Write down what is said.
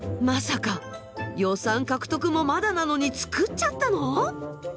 まさか予算獲得もまだなのに造っちゃったの？